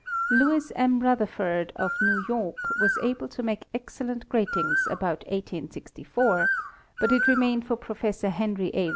Lewis M. Rutherfurd of New York was able to make ex cellent gratings about 1864, but it remained for Professor Henry A.